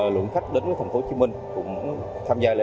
lượng khách đến thành phố hồ chí minh cũng tham gia lễ hội